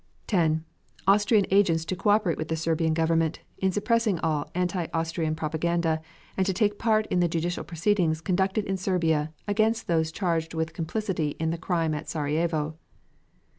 10. Austrian agents to co operate with the Serbian Government in suppressing all anti Austrian propaganda, and to take part in the judicial proceedings conducted in Serbia against those charged with complicity in the crime at Sarajevo.